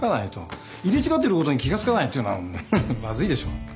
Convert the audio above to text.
入れ違ってることに気が付かないっていうのはフフまずいでしょ。